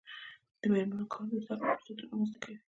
د میرمنو کار د زدکړو فرصتونه رامنځته کوي.